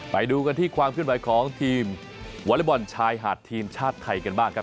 ไปดูกันที่ความขึ้นไหวของทีมวอเล็กบอลชายหาดทีมชาติไทยกันบ้างครับ